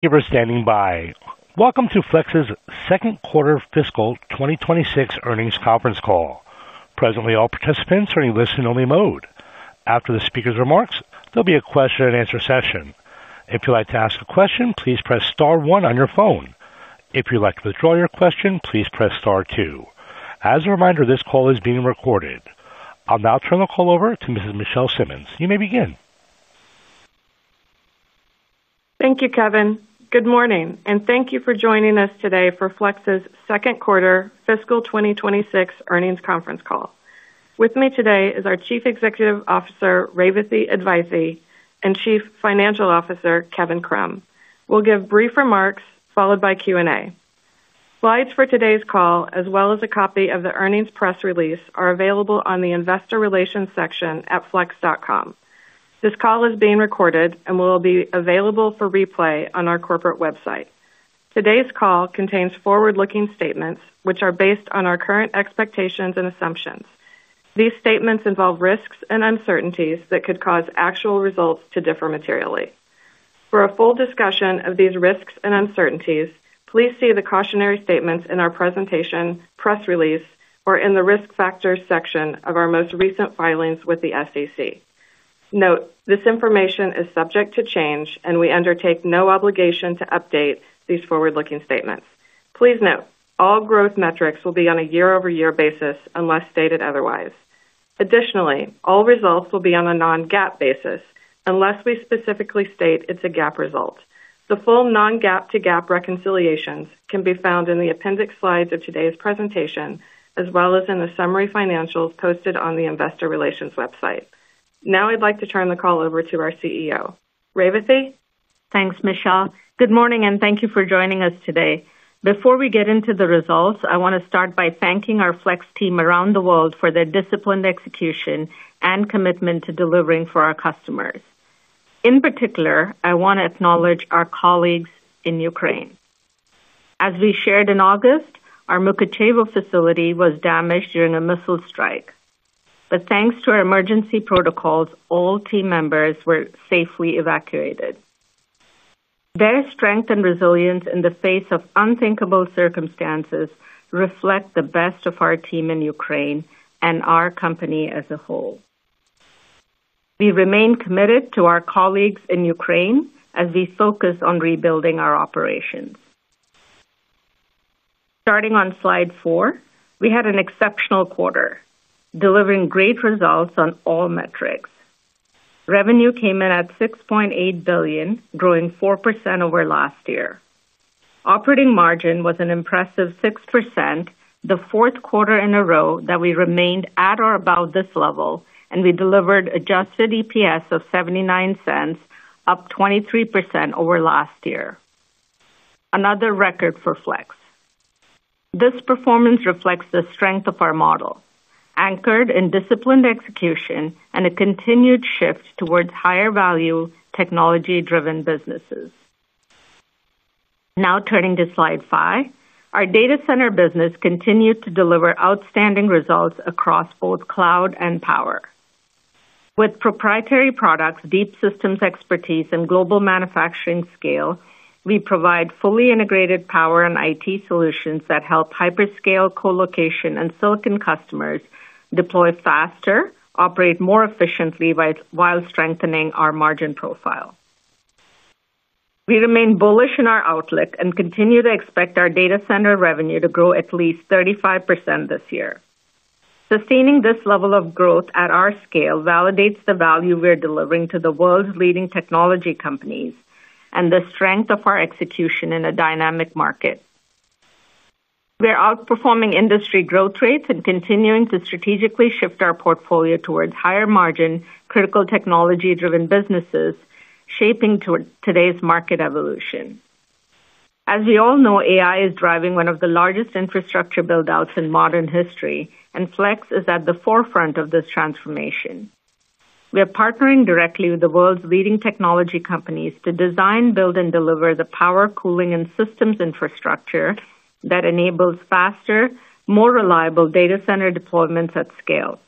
Thank you for standing by. Welcome to Flex's second quarter fiscal 2026 earnings conference call. Presently, all participants are in listen-only mode. After the speakers' remarks, there will be a question and answer session. If you'd like to ask a question, please press star 1 on your phone. If you'd like to withdraw your question, please press star 2. As a reminder, this call is being recorded. I'll now turn the call over to Ms. Michelle Simmons. You may begin. Thank you, Kevin. Good morning and thank you for joining us today for Flex's second quarter fiscal 2026 earnings conference call. With me today is our Chief Executive Officer Revathi Advaithi and Chief Financial Officer Kevin Krum. We'll give brief remarks followed by Q and A. Slides for today's call as well as a copy of the earnings press release are available on the Investor Relations section at flex.com. This call is being recorded and will be available for replay on our corporate website. Today's call contains forward-looking statements which are based on our current expectations and assumptions. These statements involve risks and uncertainties that could cause actual results to differ materially. For a full discussion of these risks and uncertainties, please see the cautionary statements in our presentation, press release, or in the Risk Factors section of our most recent filings with the SEC. Note, this information is subject to change and we undertake no obligation to update these forward-looking statements. Please note all growth metrics will be on a year-over-year basis unless stated otherwise. Additionally, all results will be on a non-GAAP basis unless we specifically state it's a GAAP result. The full non-GAAP to GAAP reconciliations can be found in the appendix slides of today's presentation as well as in the summary financials posted on the Investor Relations website. Now I'd like to turn the call over to our CEO Revathi. Thanks, Michelle. Good morning and thank you for joining us today. Before we get into the results, I want to start by thanking our Flex team around the world for their disciplined execution and commitment to delivering for our customers. In particular, I want to acknowledge our colleagues in Ukraine. As we shared in August, our Mukachevo facility was damaged during a missile strike, but thanks to our emergency protocols, all team members were safely evacuated. Their strength and resilience in the face of unthinkable circumstances reflect the best of our team in Ukraine and our company as a whole. We remain committed to our colleagues in Ukraine as we focus on rebuilding our operations. Starting on slide four, we had an exceptional quarter, delivering great results on all metrics. Revenue came in at $6.8 billion, growing 4% over last year. Operating margin was an impressive 6%, the fourth quarter in a row that we remained at or about this level, and we delivered adjusted EPS of $0.79, up 23% over last year, another record for Flex. This performance reflects the strength of our model anchored in disciplined execution and a continued shift towards higher value technology-driven businesses. Now turning to slide five, our data center business continued to deliver outstanding results across both cloud and power. With proprietary products, deep systems expertise, and global manufacturing scale, we provide fully integrated power and IT solutions that help hyperscale, colocation, and silicon customers deploy faster and operate more efficiently while strengthening our margin profile. We remain bullish in our outlook and continue to expect our data center revenue to grow at least 35% this year. Sustaining this level of growth at our scale validates the value we're delivering to the world's leading technology companies and the strength of our execution in a dynamic market. We are outperforming industry growth rates and continuing to strategically shift our portfolio towards higher margin, critical technology-driven businesses shaping today's market evolution. As we all know, AI is driving one of the largest infrastructure buildouts in modern history, and Flex is at the forefront of this transformation. We are partnering directly with the world's leading technology companies to design, build, and deliver the power, cooling, and systems infrastructure that enables faster, more reliable data center deployments at scale.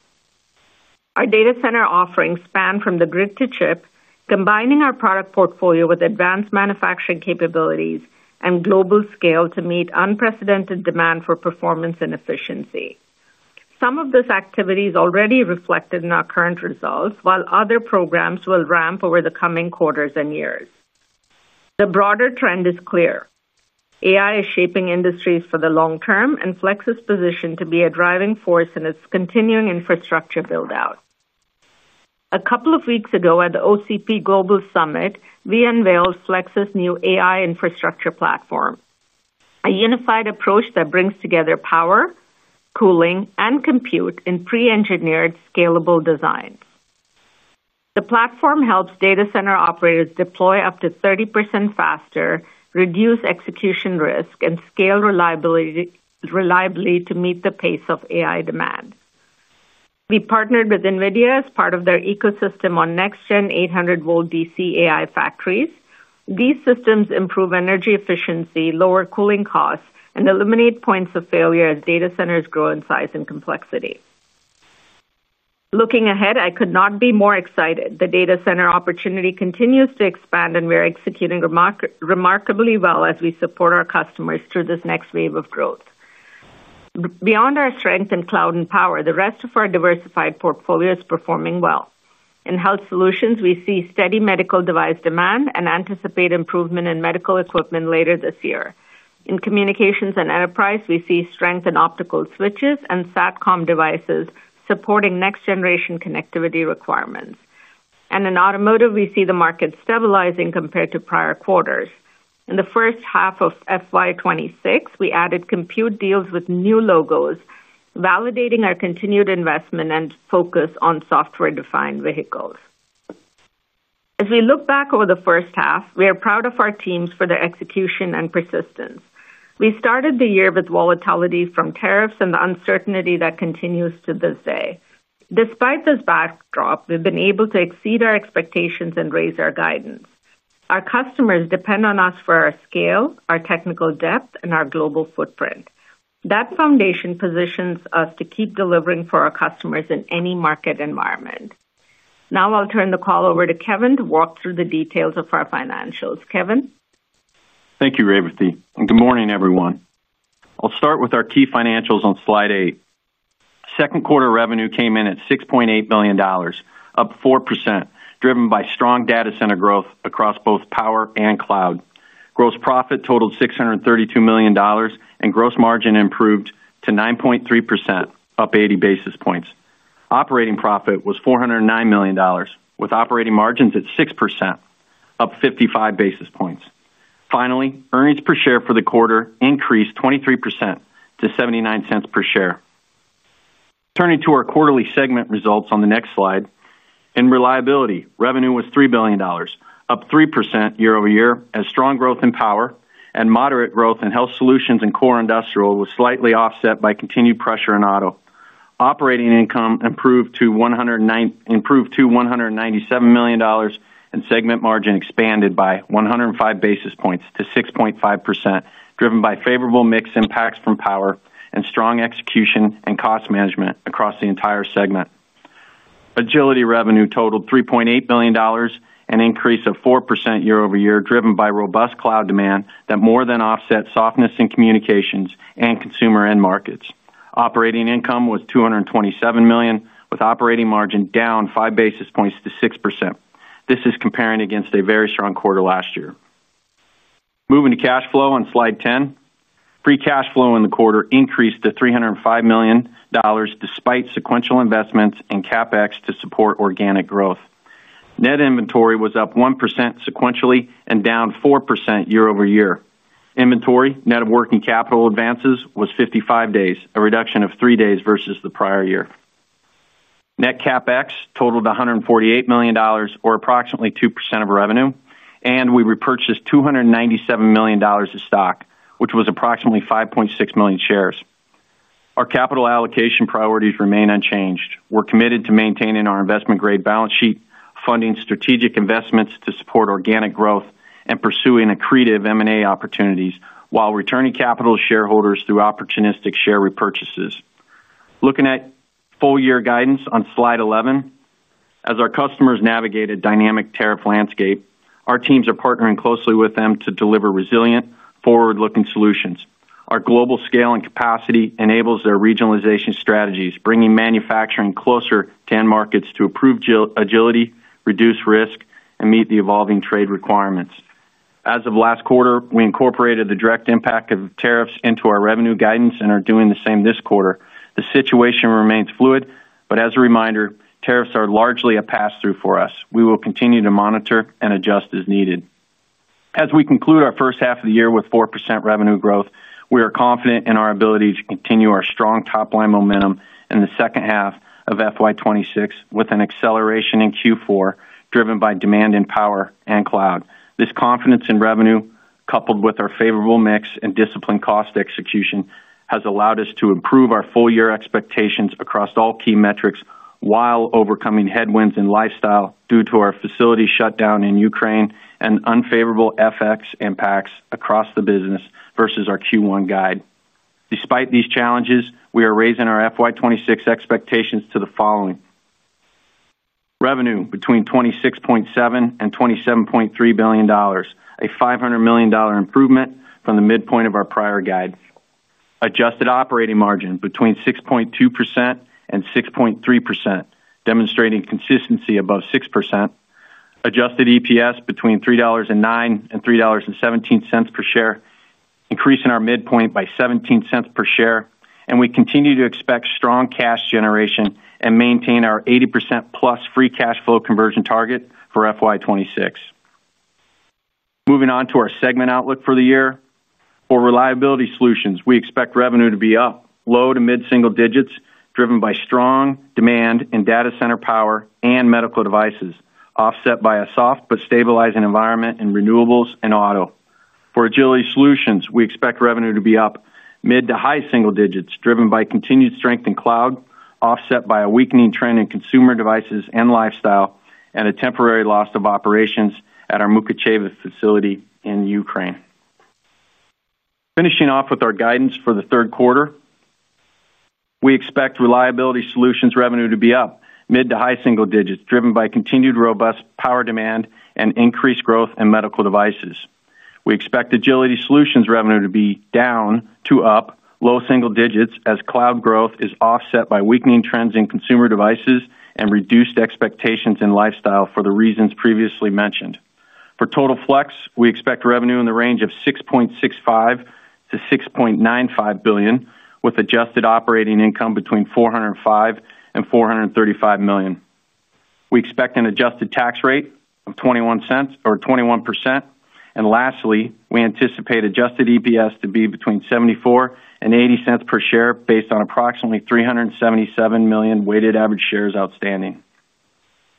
Our data center offerings span from the grid to chip, combining our product portfolio with advanced manufacturing capabilities and global scale to meet unprecedented demand for performance and efficiency. Some of this activity is already reflected in our current results, while other programs will ramp over the coming quarters and years. The broader trend is clear. AI is shaping industries for the long term and Flex is positioned to be a driving force in its continuing infrastructure build out. A couple of weeks ago at the OCP Global Summit, we unveiled Flex's new AI infrastructure platform, a unified approach that brings together power, cooling, and compute in pre-engineered scalable design. The platform helps data center operators deploy up to 30% faster, reduce execution risk, and scale reliably. To meet the pace of AI demand, we partnered with Nvidia as part of their ecosystem on next gen 800V DC AI factories. These systems improve energy efficiency, lower cooling costs, and eliminate points of failure as data centers grow in size and complexity. Looking ahead, I could not be more excited. The data center opportunity continues to expand and we're executing remarkably well as we support our customers through this next wave of growth. Beyond our strength in cloud and power, the rest of our diversified portfolio is performing well. In health solutions, we see steady medical device demand and anticipate improvement in medical equipment later this year. In communications and enterprise, we see strength in optical switches and satcom devices supporting next generation connectivity requirements. In automotive, we see the market stabilizing compared to prior quarters. In the first half of FY2026, we added compute deals with new logos, validating our continued investment and focus on software defined vehicles. As we look back over the first half, we are proud of our teams for their execution and persistence. We started the year with volatility from tariffs and the uncertainty that continues to this day. Despite this backdrop, we've been able to exceed our expectations and raise our guidance. Our customers depend on us for our scale, our technical depth, and our global footprint. That foundation positions us to keep delivering for our customers in any market environment. Now I'll turn the call over to Kevin to walk through the details of our financials. Kevin, thank you Revathi, and good morning everyone. I'll start with our key financials on slide 8. Second quarter revenue came in at $6.8 billion, up 4% driven by strong data center growth across both power and cloud. Gross profit totaled $632 million, and gross margin improved to 9.3%, up 80 basis points. Operating profit was $409 million with operating margins at 6%, up 55 basis points. Finally, earnings per share for the quarter increased 23% to $0.79 per share. Turning to our quarterly segment results on the next slide, in Reliability, revenue was $3 billion, up 3% year over year as strong growth in power and moderate growth in health solutions and core industrial was slightly offset by continued pressure in auto. Operating income improved to $197 million, and segment margin expanded by 105 basis points to 6.5%, driven by favorable mix impacts from power and strong execution and cost management across the entire segment. Agility revenue totaled $3.8 billion, an increase of 4% year over year driven by robust cloud demand that more than offset softness in communications and consumer end markets. Operating income was $227 million with operating margin down 5 basis points to 6%. This is comparing against a very strong quarter last year. Moving to cash flow on slide 10, free cash flow in the quarter increased to $305 million despite sequential investments in CapEx to support Organ. Net inventory was up 1% sequentially and down 4% year over year. Inventory net of working capital advances was 55 days, a reduction of three days versus the prior year. Net CapEx totaled $148 million or approximately 2% of revenue, and we repurchased $297 million of stock, which was approximately 5.6 million shares. Our capital allocation priorities remain unchanged. We're committed to maintaining our investment-grade balance sheet, funding strategic investments to support organic growth, and pursuing accretive M&A opportunities while returning capital to shareholders through opportunistic share repurchases. Looking at full year guidance on slide 11, as our customers navigate a dynamic tariff landscape, our teams are partnering closely with them to deliver resilient, forward-looking solutions. Our global scale and capacity enables their regionalization strategies, bringing manufacturing closer to end markets to improve agility, reduce risk, and meet the evolving trade requirements. As of last quarter, we incorporated the direct impact of tariffs into our revenue guidance and are doing the same this quarter. The situation remains fluid, but as a reminder, tariffs are largely a pass through for us. We will continue to monitor and adjust as needed as we conclude our first half of the year with 4% revenue growth. We are confident in our ability to continue our strong top line momentum in the second half of FY2026 with an acceleration in Q4 driven by demand in power and cloud. This confidence in revenue, coupled with our favorable mix and disciplined cost execution, has allowed us to improve our full year expectations across all key metrics while overcoming headwinds in lifestyle due to our facility shutdown in Ukraine and unfavorable FX impacts across the business versus our Q1 guidelines. Despite these challenges, we are raising our FY2026 expectations to revenue between $26.7 and $27.3 billion, a $500 million improvement from the midpoint of our prior guide. Adjusted operating margin between 6.2% and 6.3%, demonstrating consistency above 6%. Adjusted EPS between $3.09 and $3.17 per share, increasing our midpoint by $0.17 per share, and we continue to expect strong cash generation and maintain our 80%+ free cash flow conversion target for FY2026. Moving on to our segment outlook for the year, for Reliability Solutions, we expect revenue to be up low to mid single digits driven by strong demand in data center power and medical devices, offset by a soft but stabilizing environment in renewables and auto. For Agility Solutions, we expect revenue to be up mid to high single digits driven by continued strength in cloud, offset by a weakening trend in consumer devices and lifestyle and a temporary loss of operations at our Mukachevo facility in Ukraine. Finishing off with our guidance for the third quarter, we expect Reliability Solutions revenue to be up mid to high single digits driven by continued robust power demand and increased growth in medical devices. We expect Agility Solutions revenue to be down to up low single digits as cloud growth is offset by weakening trends in consumer devices and reduced expectations in lifestyle for the reasons previously mentioned. For Total Flex, we expect revenue in the range of $6.65 billion-$6.95 billion with adjusted operating income between $405 and $435 million. We expect an adjusted tax rate of 21%. Lastly, we anticipate adjusted EPS to be between $0.74 and $0.80 per share based on approximately 377 million weighted average shares outstanding.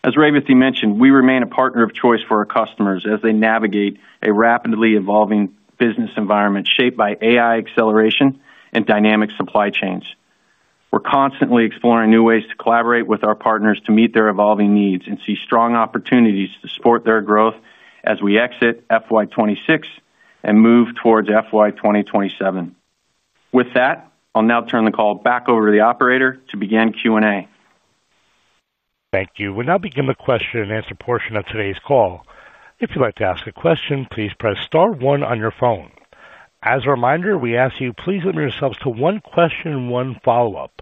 As Revathi mentioned, we remain a partner of choice for our customers as they navigate a rapidly evolving business environment shaped by AI acceleration and dynamic supply chains. We're constantly exploring new ways to collaborate with our partners to meet their evolving needs and see strong opportunities to support their growth as we exit FY2026 and move towards FY2027. With that, I'll now turn the call back over to the operator to begin Q&A. Thank you. We'll now begin the question and answer portion of today's call. If you'd like to ask a question, please press Star one on your phone. As a reminder, we ask you please limit yourselves to one question, one follow up.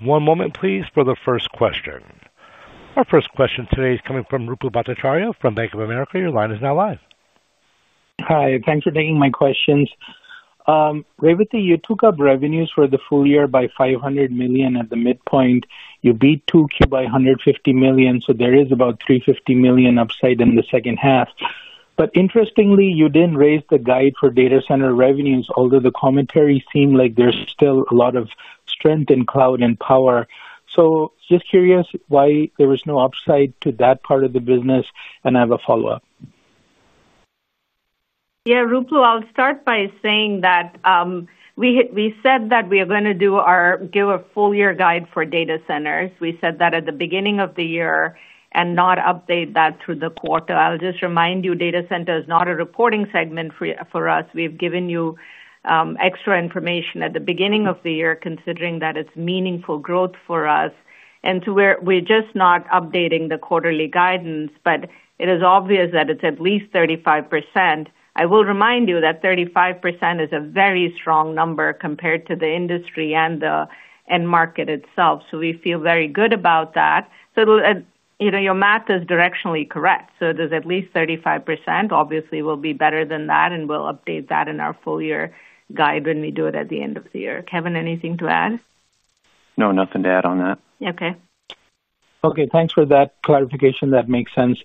One moment please for the first question. Our first question today is coming from Ruplu Bhattacharya from Bank of America. Your line is now live. Hi, thanks for taking my questions. Revathi, you took up revenues for the full year by $500 million. At the midpoint you beat 2Q by $150 million. There is about $350 million upside in the second half. Interestingly, you didn't raise the guide for data center revenues, although the commentary seemed like there's still a lot of strength in cloud and power. I'm just curious why there was no upside to that part of the business. I have a follow up. Yeah, Ruplo, I'll start by saying that we said that we are going to give a full year guide for data centers. We said that at the beginning of the year and not update that through the quarter. I'll just remind you data center is not a reporting segment for us. We've given you extra information at the beginning of the year that it's meaningful growth for us, and we're just not updating the quarterly guidance. It is obvious that it's at least 35%. I will remind you that 35% is a very strong number compared to the industry and the end market itself. We feel very good about that. You know, your math is directionally correct, so there's at least 35% and obviously will be better than that. We'll update that in our full year guide when we do it at the end of the year. Kevin, anything to add? No, nothing to add on that. Okay. Okay, thanks for that clarification. That makes sense.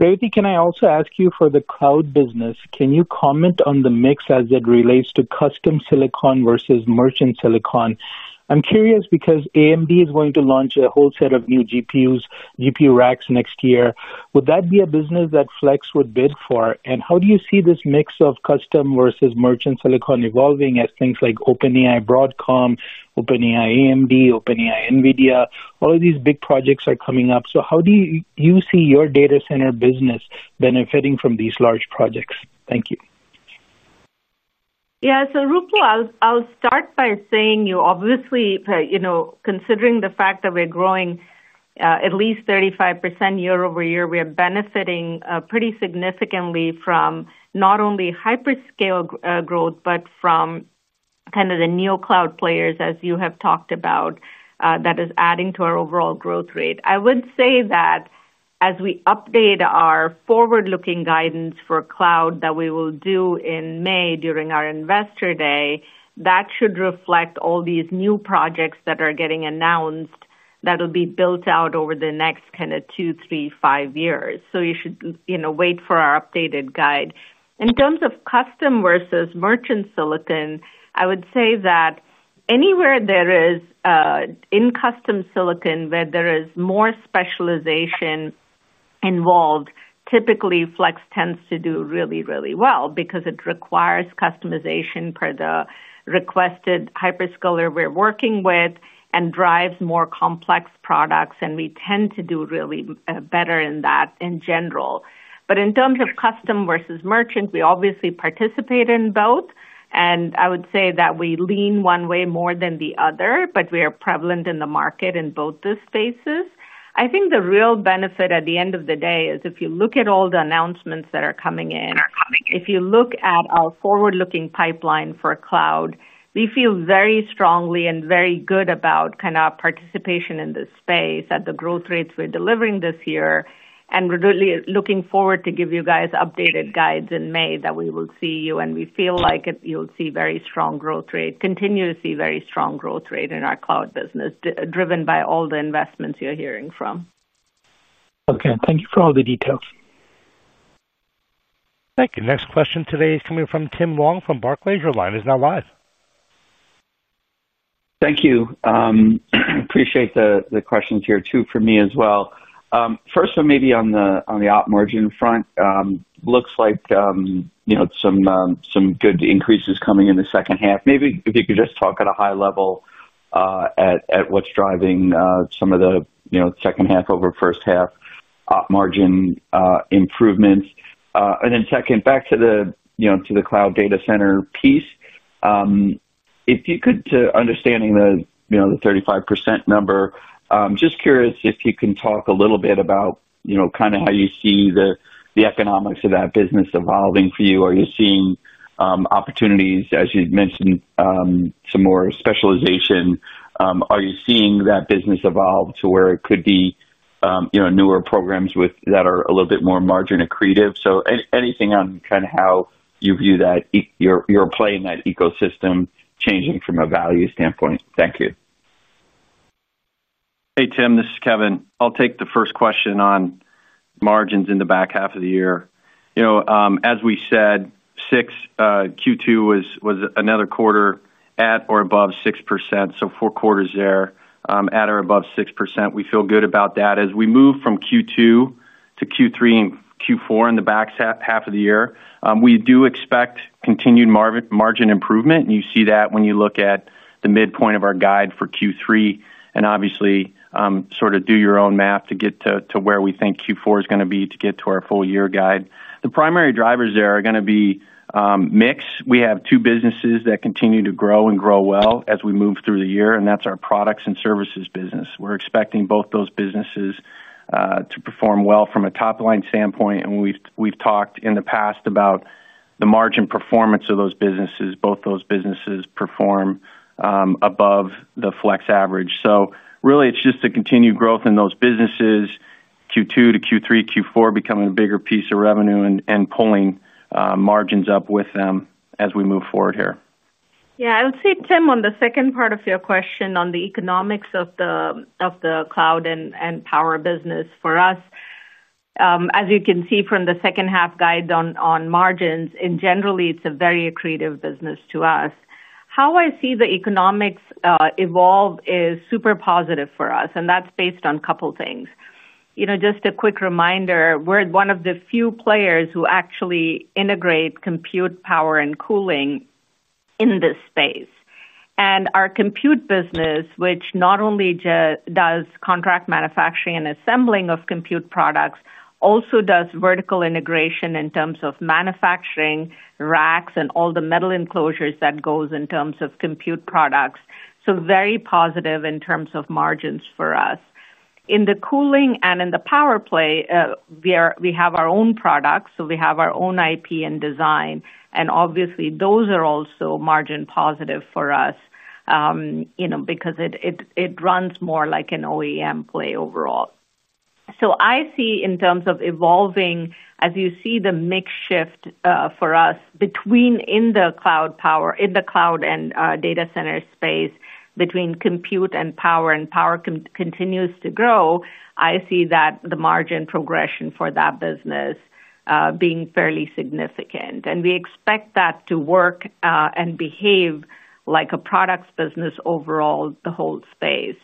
Revathi, can I also ask you for the cloud business, can you comment on the mix as it relates to custom silicon versus merchant silicon? I'm curious because AMD is going to launch a whole set of new GPUs, GPU racks next year. Would that be a business that Flex would bid for? How do you see this mix of custom versus merchant silicon evolving as things like OpenAI, Broadcom, OpenAI, AMD, OpenAI, Nvidia, all of these big projects are coming up? How do you see your data center business benefiting from these large projects? Thank you. Yeah. Rupal, I'll start by saying you obviously, considering the fact that we're growing at least 35% year over year, we are benefiting pretty significantly from not only hyperscale growth but from kind of the new cloud players as you have talked about. That is adding to our overall growth rate. I would say that as we update our forward-looking guidance for cloud that we will do in May during our investor day, that should reflect all these new projects that are getting announced that will be built out over the next two, three, five years. You should wait for our updated guidelines in terms of custom versus merchant silicon. I would say that anywhere there is in custom silicon where there is more specialization involved, typically Flex tends to do really, really well because it requires customization per the requested hyperscaler we're working with and drives more complex products, and we tend to do really better in that in general. In terms of custom versus merchant, we obviously participate in and I would say that we lean one way more than the other, but we are prevalent in the market in both the spaces. I think the real benefit at the end of the day is if you look at all the announcements that are coming in. If you look at our forward-looking pipeline for cloud, we feel very strongly and very good about participation in this space at the growth rates we're delivering this year. We're really looking forward to give you guys updated guides in May that we will see you, and we feel like you'll see very strong growth rates. Continue to see very strong growth rate in our cloud business driven by all the investments you're hearing from. Okay, thank you for all the details. Thank you. Next question today is coming from Tim Long from Barclays. Your line is now live. Thank you. Appreciate the questions here too for me as well. First one, maybe on the op margin front, looks like some good increases coming in the second half. Maybe if you could just talk at a high level at what's driving some of the second half over first half margin improvements, and then second, back to the cloud data center piece, if you could, to understanding the 35% number. Just curious if you can talk a little bit about how you see the economics of that business evolving for you. Are you seeing opportunities, as you mentioned, some more specialization? Are you seeing that business evolve to where it could be newer programs that are a little bit more margin accretive? Anything on how you view your play in that ecosystem changing from a value standpoint? Thank you. Hey Tim, this is Kevin. I'll take the first question on margins in the back half of the year. As we said, Q2 was another quarter at or above 6%. Four quarters there at or above 6%. We feel good about that. As we move from Q2 to Q3 and Q4 in the back half of the year, we do expect continued margin improvement. You see that when you look at the midpoint of our guide for Q3 and obviously sort of do your own math to get to where we think Q4 is going to be to get to our full year guide. The primary drivers there are going to be mix. We have two businesses that continue to grow and grow well as we move through the year, and that's our products and services business. We're expecting both those businesses to perform well from a top line standpoint, and we've talked in the past about the margin performance of those businesses. Both those businesses perform above the Flex average. Really, it's just a continued growth in those businesses, Q2 to Q3, Q4 becoming a bigger piece of revenue and pulling margins up with them as we move forward here. Yeah, I'll see, Tim, on the second part of your question on the economics of the cloud and power business for us, as you can see from the second half guide on margins in general, it's a very accretive business to us. How I see the economics evolve is super positive for us and that's based on a couple things. Just a quick reminder, we're one of the few players who actually integrate compute, power, and cooling in this space. Our compute business, which not only does contract manufacturing and assembling of compute products, also does vertical integration in terms of manufacturing racks and all the metal enclosures that go in terms of compute products. Very positive in terms of margins for us in the cooling and in the power play. We have our own products, so we have our own IP and design, and obviously those are also margin positive for us because it runs more like an OEM play overall. I see, in terms of evolving as you see the mix shift for us in the cloud and data center space, between compute and power, and power continues to grow. I see that the margin progression for that business being fairly significant and we expect that to work and behave like a products business overall the whole phase.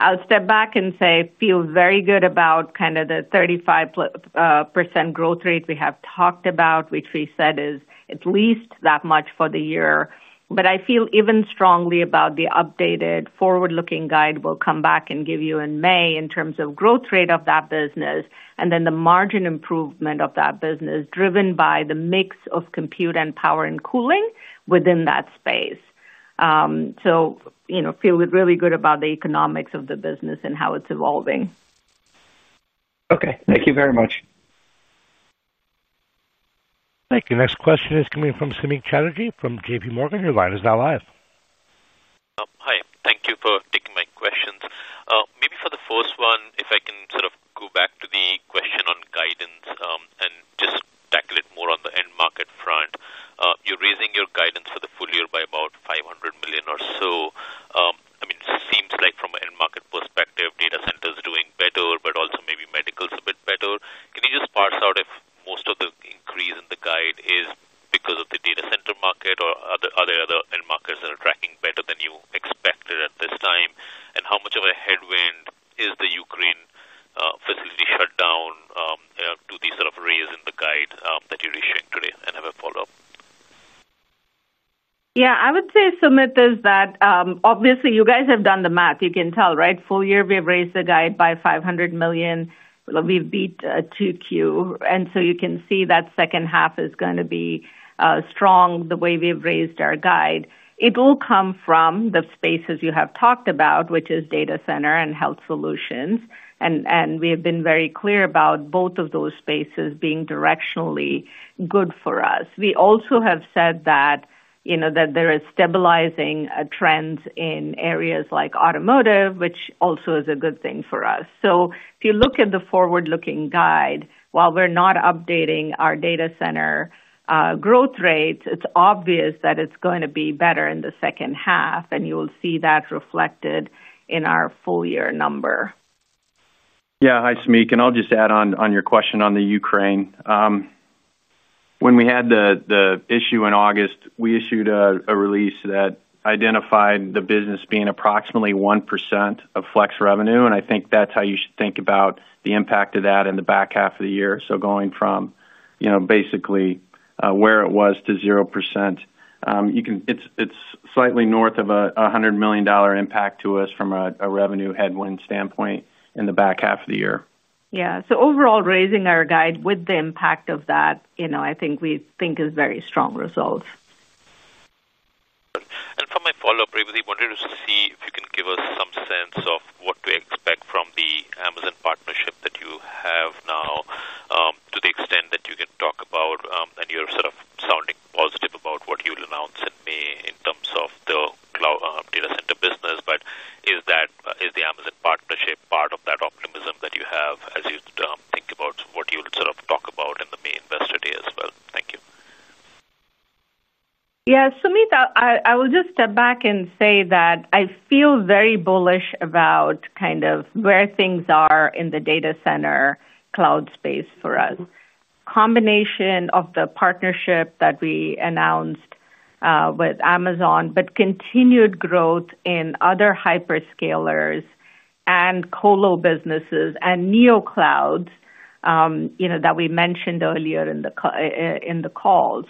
I'll step back and say I feel very good about kind of the 35% growth rate we have talked about, which we said is at least that much for the year. I feel even strongly about the updated forward-looking guide we'll come back and give you in May in terms of growth rate of that business and then the margin improvement of that business driven by the mix of compute and power and cooling within that space. You know, feel really good about the economics of the business and how it's evolving. Okay, thank you very much. Thank you. Next question is coming from Samik Chatterjee from J.P. Morgan. Your line is now live. Hi, thank you for taking my questions. Maybe for the first one, if I can sort of go back to the question on guidance and just tackle it more on the end market front. You're raising your guidance for the full year by about $500 million or so. It seems like from an end market perspective, data centers are doing better, but also maybe medical is a bit better. Can you just parse out if most of the increase in the guide is because of the data center market or other end markets that are tracking better than you expected at this time? How much of a headwind is the Ukraine facility shutdown to this sort of raise in the guide that you're issuing today? I have a follow up. Yeah, I would say, Sumit, that obviously you guys have done the math. You can tell, right? Full year we have raised the guide by $500 million. We've beat 2Q, and you can see that second half is going to be strong. The way we've raised our guide, it will come from the spaces you have talked about, which is data center and health solutions. We have been very clear about both of those spaces being directionally good for us. We also have said that there are stabilizing trends in areas like automotive, which also is a good thing for us. If you look at the forward-looking guide, while we're not updating our data center growth rates, it's obvious that it's going to be better in the second half, and you will see that reflected in our full year number. Yeah, hi Sumik. I'll just add on your question on Ukraine. When we had the issue in August, we issued a release that identified the business being approximately 1% of Flex revenue. I think that's how you should think about the impact of that in the back half of the year. Going from basically where it was to 0%, it's slightly north of $100 million impact to us from a revenue headwind standpoint in the back half of the year. Yeah, overall raising our guide with the impact of that, I think we think is very strong results. For my follow up, Revathi, I wanted to see if you can give us some sense of what to expect from the Amazon partnership that you have now to the extent that you can talk about, and you're sort of sounding positive about what you'll announce in May in terms of the data center business. Is the Amazon partnership part of that optimism that you have as you think about what you talk about in the May investor day as well? Thank you. Yeah, Sumit, I will just step back and say that I feel very bullish about kind of where things are in the data center cloud space for us. Combination of the partnership that we announced with Amazon, continued growth in other hyperscalers and Colo businesses, and Neo clouds that we mentioned earlier in the call.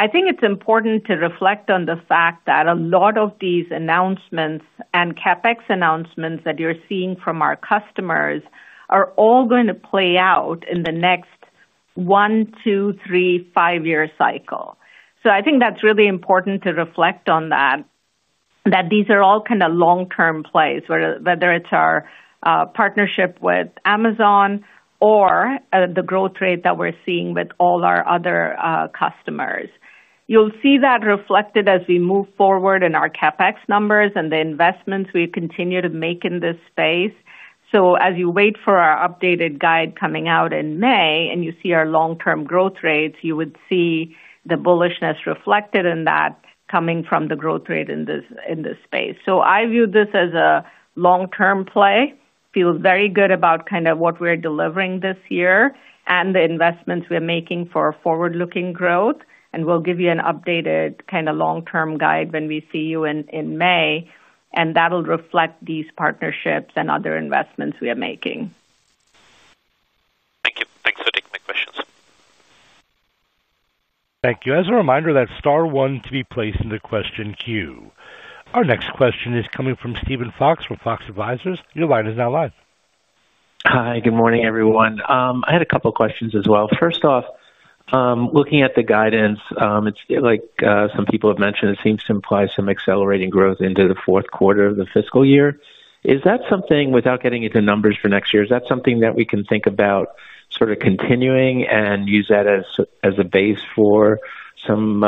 I think it's important to reflect on the fact that a lot of these announcements and CapEx announcements that you're seeing from our customers are all going to play out in the next 1, 2, 3, 5 year cycle. I think that's really important to reflect on, that these are all kind of long term plays, whether it's our partnership with Amazon or the growth rate that we're seeing with all our other customers. You'll see that reflected as we move forward in our CapEx numbers and the investments we continue to make in space. As you wait for our updated guide coming out in May and you see our long term growth rates, you would see the bullishness reflected in that, coming from the growth rate in this space. I view this as a long term play, feel very good about kind of what we're delivering this year and the investments we're making for forward looking growth. We'll give you an updated kind of long term guide when we see you in May and that will reflect these partnerships and other investments we are making. Thank you. Thanks for taking my questions. Thank you. As a reminder, that's Star one to be placed into question queue. Our next question is coming from Steven Fox from Fox Advisors. Your line is now live. Hi, good morning everyone. I had a couple questions as well. First off, looking at the guidance like some people have mentioned, it seems to imply some accelerating growth into the fourth. Quarter of the fiscal year. Is that something, without getting into numbers for next year, that we can think about sort of continuing and use that as a base for some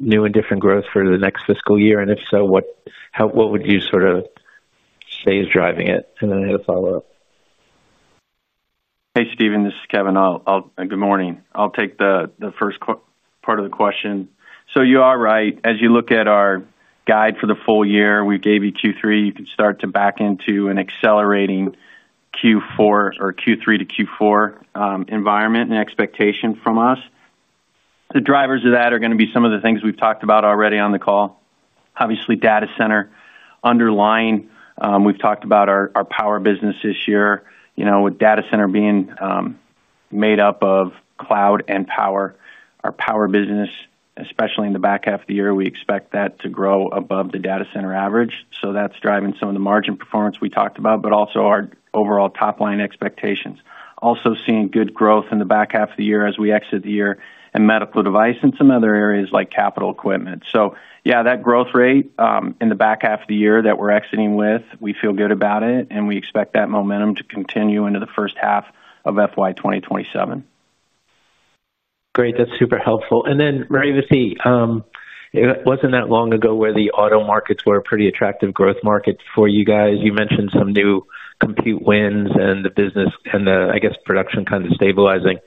new and different growth for the next fiscal year? If so, what would you sort? Is AI driving it? I had a follow up. Hey Steven, this is Kevin. Good morning. I'll take the first part of the question. You are right. As you look at our guide for the full year, we gave you Q3, you could start to back into an accelerating Q4 or Q3 to Q4 environment and expectation from us. The drivers of that are going to be some of the things we've talked about already on the call. Obviously, data center underlying. We've talked about our power business this year. With data center being made up of cloud and power, our power business, especially in the back half of the year, we expect that to grow above the data center average. That's driving some of the margin performance we talked about. Our overall top line expectations are also seeing good growth in the back half of the year as we exit the year in medical device and some other areas like capital equipment. That growth rate in the back half of the year that we're exiting with, we feel good about it and we expect that momentum to continue into the first half of FY 2027. Great. That's super helpful. Maria Vasi, it wasn't that long ago where the auto markets were a pretty attractive growth market for you guys. You mentioned some new compute wins and the business and the, I guess, production kind of stabilizing.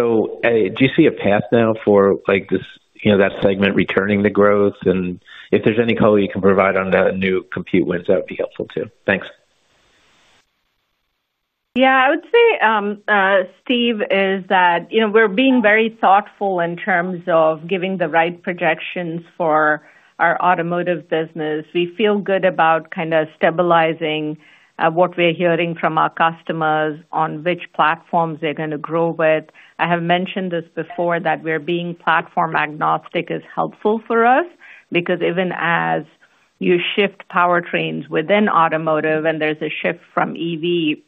Do you see a path now? For this, you know that segment returning the growth, and if there's any color you can provide on the new. Compute wins, that would be helpful too. Thanks. Yeah, I would say, Steve, that we are being very thoughtful in terms of giving the right projections for our automotive business. We feel good about kind of stabilizing what we're hearing from our customers on which platforms they're going to grow with. I have mentioned this before, that being platform agnostic is helpful for us because even as you shift powertrains within automotive and there's a shift from EV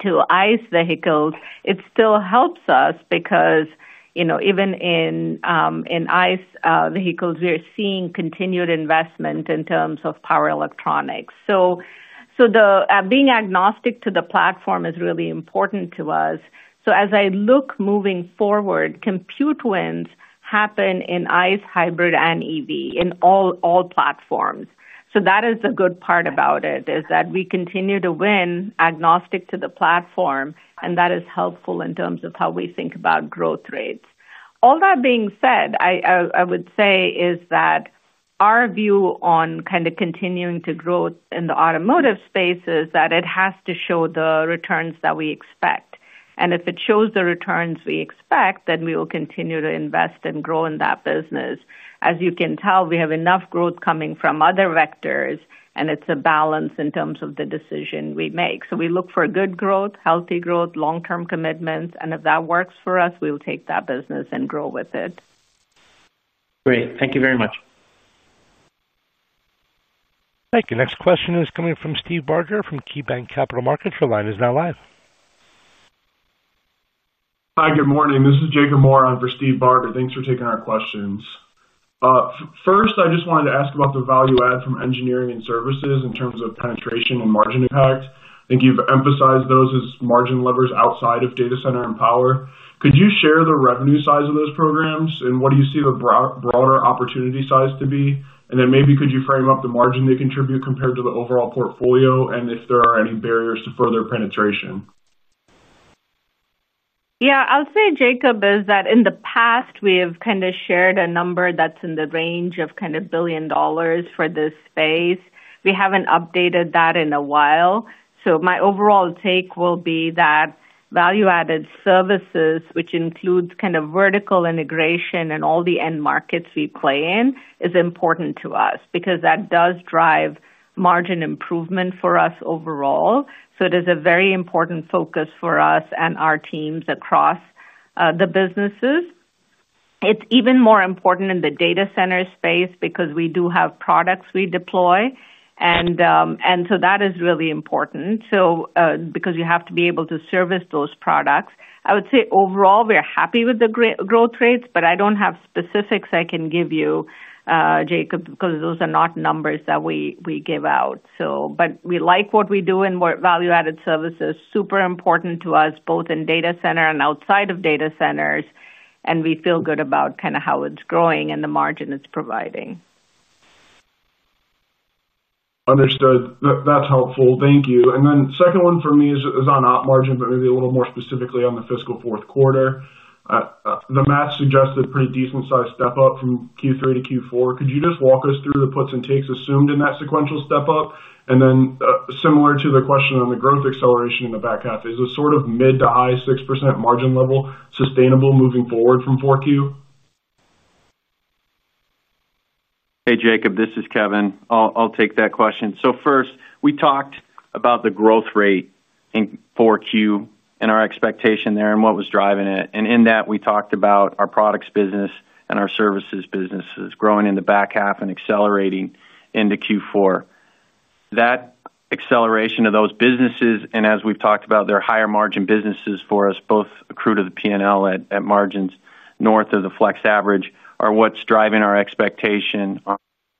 to ICE vehicles, it still helps us because even in ICE vehicles we're seeing continued investment in terms of power electronics. Being agnostic to the platform is really important to us. As I look moving forward, compute wins happen in ICE, hybrid, and EV in all platforms. That is the good part about it, that we continue to win agnostic to the platform and that is helpful in terms of how we think about growth rates. All that being said, our view on kind of continuing to grow in the automotive space is that it has to show the returns that we expect. If it shows the returns we expect, then we will continue to invest and grow in that business. As you can tell, we have enough growth coming from other vectors and it's a balance in terms of the decision we make. We look for good growth, healthy growth, long-term commitments, and if that works for us, we will take that business and grow with it. Great. Thank you very much. Thank you. Next question is coming from Steve Barger from KeyBanc Capital Markets. Your line is now live. Hi, good morning. This is Jacob Moore for Steve Barber. Thanks for taking our questions. First, I just wanted to ask about the value add from engineering and services in terms of penetration and margin impact. I think you've emphasized those as margin levers. Outside of data center and power, could you share the revenue size of those programs and what do you see the broader opportunity size to be, and then maybe could you frame up the margin they contribute compared to the overall portfolio and if there are any barriers to further penetration? Yeah, I'll say, Jacob, in the past we have kind of shared a number that's in the range of $1 billion for this space. We haven't updated that in a while. My overall take will be that value added services, which includes vertical integration and all the end markets we play in, is important to us because that does drive margin improvement for us overall. It is a very important focus for us and our teams across the businesses. It's even more important in the data center space because we do have products we deploy. That is really important because you have to be able to service those products. I would say overall we are happy with the growth rates, but I don't have specifics I can give you, Jacob, because those are not numbers that we give out. We like what we do in value added services. Super important to us both in data center and outside of data centers. We feel good about how it's growing and the margin it's providing. Understood, that's helpful, thank you. The second one for me is on operating margin, but maybe a little more specifically on the fiscal fourth quarter. The math suggested a pretty decent sized step up from Q3 to Q4. Could you just walk us through the puts and takes assumed in that sequential step up? Similar to the question on the growth acceleration in the back half, is a sort of mid to high 6% margin level sustainable moving forward from Q4? Hey Jacob, this is Kevin. I'll take that question. First, we talked about the growth rate for Q4 and our expectation there and what was driving it. In that, we talked about our products business and our services businesses growing in the back half and accelerating into Q4. That acceleration of those businesses, and as we've talked about, they're higher margin businesses for us, both accretive to the P&L at margins north of the Flex average, are what's driving our expectation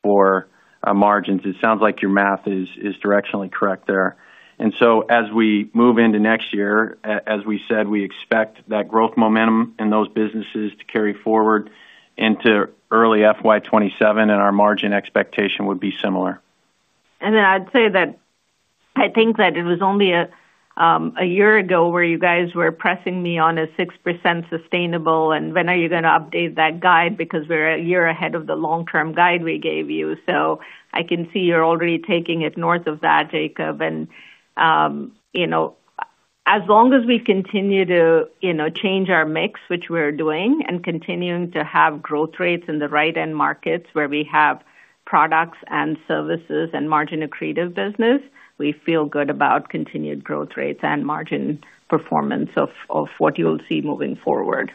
for margins. It sounds like your math is directionally correct there. As we move into next year, as we said, we expect that growth momentum in those businesses to carry forward into early FY2027, and our margin expectation would be similar. I think that it was only a year ago where you guys were pressing me on a 6% sustainable. When are you going to update that guide? We're a year ahead of the long-term guide we gave you. I can see you're already taking it north of that, Jacob. As long as we continue to change our mix, which we're doing, and continue to have growth rates in the right end markets where we have products and services and margin accretive business, we feel good about continued growth rates and margin performance of what you'll see moving forward.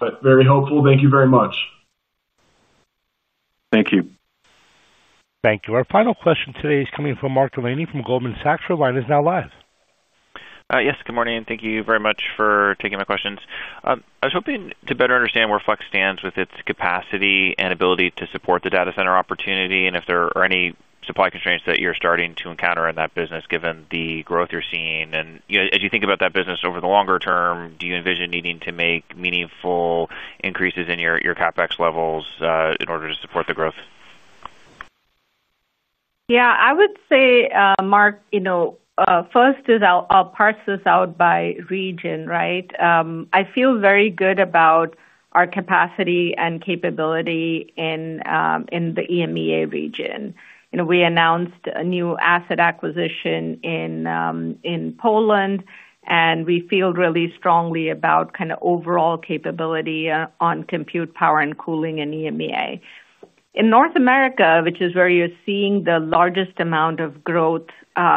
Got it. Very helpful. Thank you very much. Thank you. Thank you. Our final question today is coming from Mark Delaney from Goldman Sachs. Our line is now live. Yes, good morning. Thank you very much for taking my questions. I was hoping to better understand where. Flex stands with its capacity and ability to support the data center opportunity, and if there are any supply constraints that you're starting to encounter in that business, given the growth you're seeing, as you think about that business over the longer term, do you envision needing to make meaningful increases in your CapEx levels in order to support the growth? Yeah, I would say, Mark, first I'll parse this out by region. I feel very good about our capacity and capability in the EMEA region. We announced a new asset acquisition in Poland, and we feel really strongly about kind of overall capability on compute power and cooling in EMEA and North America, which is where you're seeing the largest amount of growth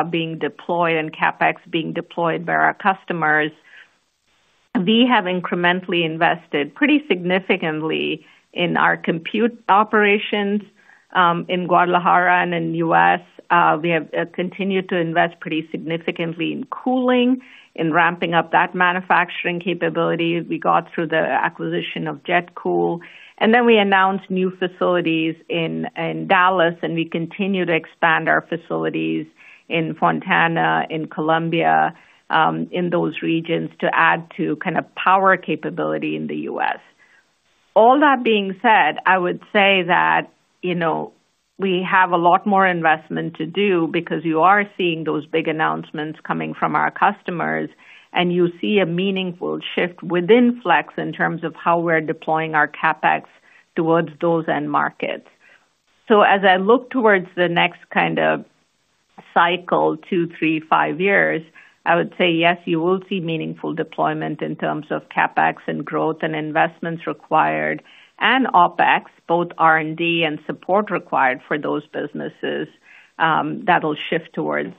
being deployed and CapEx being deployed by our customers. We have incrementally invested pretty significantly in our compute operations in Guadalajara, and in the U.S. we have continued to invest pretty significantly in cooling, in ramping up that manufacturing capability we got through the acquisition of Jet Cool, and then we announced new facilities in Dallas, and we continue to expand our facilities in Fontana, in Columbia, in those regions to add to kind of power capability in the U.S. All that being said, I would say that, you know, we have a lot more investment to do because you are seeing those big announcements coming from our customers, and you see a meaningful shift within Flex in terms of how we're deploying our CapEx towards those end markets. As I look towards the next kind of cycle, two, three, five years, I would say yes, you will see meaningful deployment in terms of CapEx and growth and investments requirements required and OpEx, both R&D and support required for those businesses that will shift towards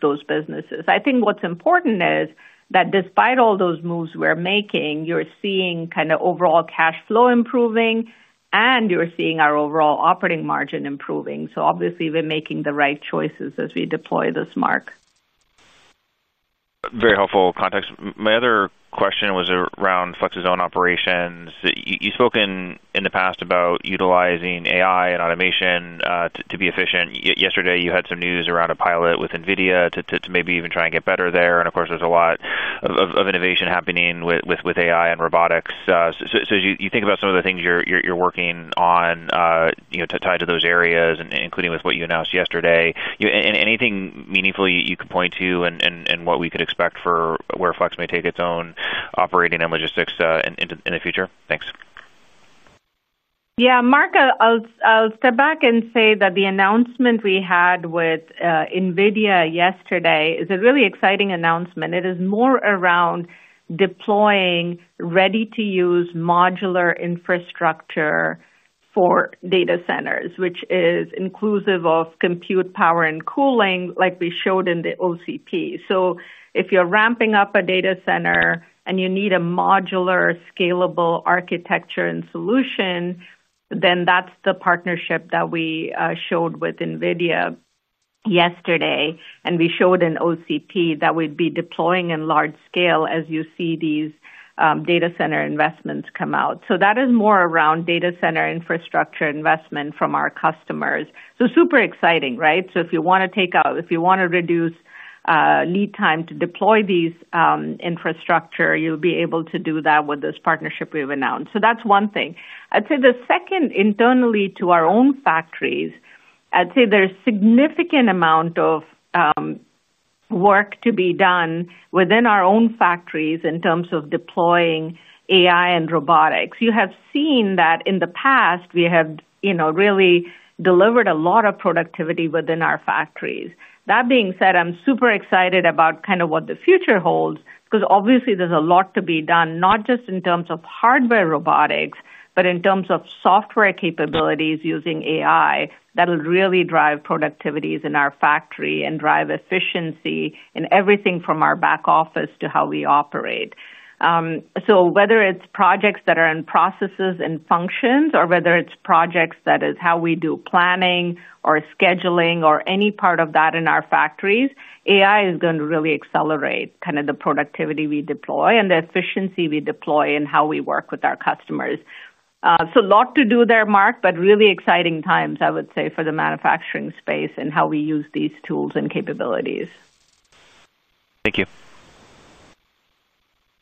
those businesses. I think what's important is that despite all those moves we're making, you're seeing kind of overall cash flow improving, and you're seeing our overall operating margin improving. Obviously, we're making the right choices as we deploy this. Mark. Very helpful context. My other question was around Flexeserve operations. You've spoken in the past about utilizing AI and automation to be efficient. Yesterday you had some news around a pilot with Nvidia to maybe even try and get better there. Of course, there's a lot of innovation happening with AI and robotics. As you think about some of the things you're working on tied to those areas, including with what you announced yesterday, anything meaningful you could point to and what we could expect for where Flex may take its own operating and logistics in the future. Thanks. Yeah, Mark, I'll step back and say that the announcement we had with Nvidia yesterday is a really exciting announcement. It is more around deploying ready-to-use modular infrastructure for data centers, which is inclusive of compute power and cooling like we showed in the OCP. If you're ramping up a data center and you need a modular, scalable architecture and solution, that's the partnership that we showed with Nvidia yesterday, and we showed in OCP that we'd be deploying in large scale as you see these data center investments come out. That is more around data center infrastructure investment from our customers. Super exciting, right? If you want to reduce lead time to deploy these infrastructure, you'll be able to do that with this partnership we've announced. That's one thing I'd say. Second, internally to our own factories, I'd say there's significant amount of work to be done within our own factories in terms of deploying AI and robotics. You have seen that in the past we had really delivered a lot of productivity within our factories. That being said, I'm super excited about kind of what the future holds because obviously there's a lot to be done, not just in terms of hardware, robotics, but in terms of software capabilities using AI that will really drive productivity in our factory and drive efficiency in everything from our back office to how we operate. Whether it's projects that are in processes and functions or whether it's projects that is how we do planning or scheduling or any part of that in our factories, AI is going to really accelerate kind of the productivity we deploy and the efficiency we deploy and how we work with our customers. Lot to do there, Mark, but really exciting times, I would say, for the manufacturing space and how we use these tools and capabilities. Thank you.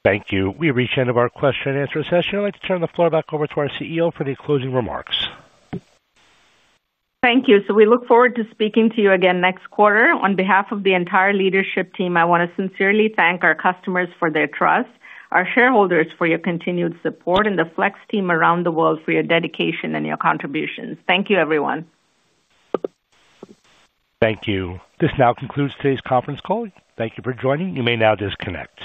Thank you. We reached the end of our question and answer session. I'd like to turn the floor back over to our CEO for the closing remarks. Thank you. We look forward to speaking to you again next quarter. On behalf of the entire leadership team, I want to sincerely thank our customers for their trust, our shareholders for your continued support, and the Flex team around the world for your dedication and your contributions. Thank you, everyone. Thank you. This now concludes today's conference call. Thank you for joining. You may now disconnect.